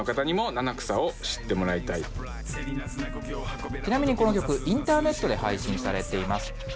ちなみにこの曲、インターネットで配信されています。